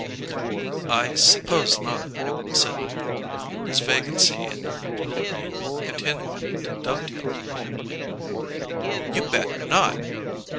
"I suppose not," said Noble, his vacancy and credulity continuing to dovetail perfectly. "You bet not!"